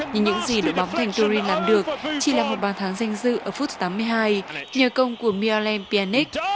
nhưng những gì đội bóng thành turin làm được chỉ là một bàn tháng danh dự ở phút thứ tám mươi hai nhờ công của miralem pjanic